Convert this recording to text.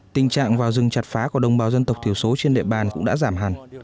tình trạng vào rừng chặt phá của đồng bào dân tộc thiểu số trên địa bàn cũng đã giảm hẳn